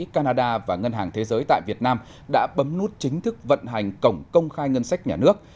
canada và ngân hàng thế giới tại việt nam đã bấm nút chính thức vận hành cổng công khai ngân sách nhà nước